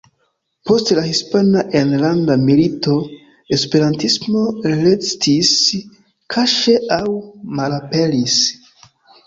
Post la Hispana Enlanda Milito, esperantismo restis kaŝe aŭ malaperis.